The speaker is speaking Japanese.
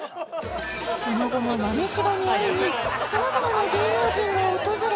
その後も豆柴に会いにさまざまな芸能人が訪れ